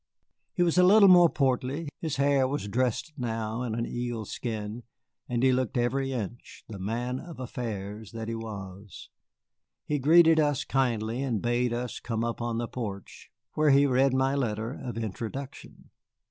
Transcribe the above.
He was a little more portly, his hair was dressed now in an eelskin, and he looked every inch the man of affairs that he was. He greeted us kindly and bade us come up on the porch, where he read my letter of introduction.